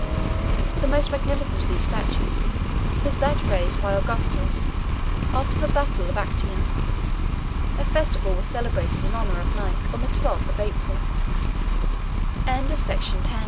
The most magnificent of these statues, was that raised by Augustus after the battle of Actium. A festival was celebrated in honour of Nike on the 12th of April. HERMES (MERCURY). Hermes